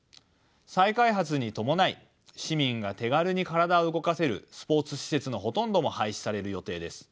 再開発に伴い市民が手軽に体を動かせるスポーツ施設のほとんども廃止される予定です。